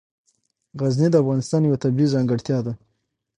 غزني د افغانستان یوه طبیعي ځانګړتیا ده.